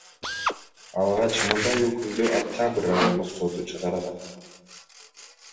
Алгач мындай өкүмдү Октябрь райондук соту чыгарган.